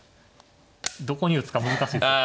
どこに打つか難しいです。